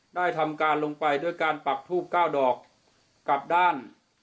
ได้ทำการลงไปด้วยการปักทูบ๙ดอกกับด้าน